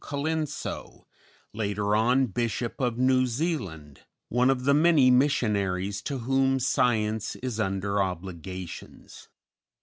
Colenso, later on Bishop of New Zealand, one of the many missionaries to whom Science is under obligations.